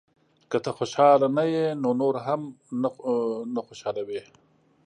• که ته خوشحاله نه یې، نو نور هم نه خوشحالوې.